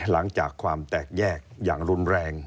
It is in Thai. หลังจากความแตกแยกอย่างรุนแรง